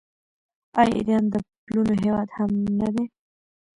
آیا ایران د پلونو هیواد هم نه دی؟